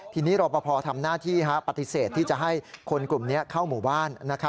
ทีนี้รอปภทำหน้าที่ปฏิเสธที่จะให้คนกลุ่มนี้เข้าหมู่บ้าน